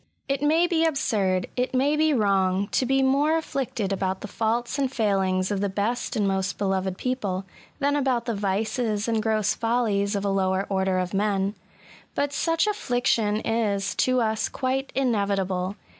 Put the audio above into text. It may be absurd — ^it may be wrong — to be more afflicted about the faults and failings of the. best and most beloved people^ than about the yices and gross follies of a lower order of men ; but such affliction is, to us, quite inevitable.